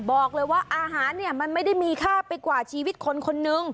บอกเลยว่าอาหารเนี่ยมันไม่ได้มีค่าไปกว่าชีวิตคนคนนึง